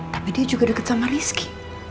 tapi dia juga dekat sama rizky